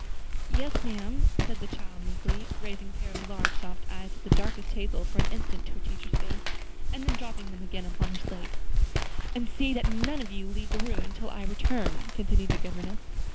"Yes, ma'am," said the child meekly, raising a pair of large soft eyes of the darkest hazel for an instant to her teacher's face, and then dropping them again upon her slate. "And see that none of you leave the room until I return," continued the governess.